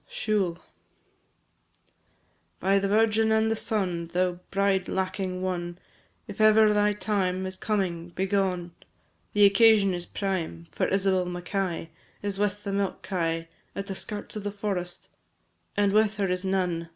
SIUBHAL. By the Virgin and Son! Thou bride lacking one, If ever thy time Is coming, begone, The occasion is prime, For Isabel Mackay Is with the milk kye At the skirts of the forest, And with her is none.